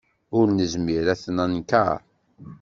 Ur nezmir ad t-nenkeṛ.